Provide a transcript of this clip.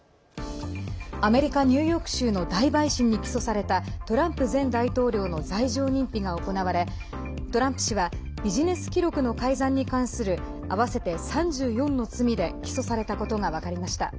アメリカニューヨーク州の大陪審に起訴されたトランプ前大統領の罪状認否が行われトランプ氏はビジネス記録の改ざんに関する合わせて３４の罪で起訴されたことが分かりました。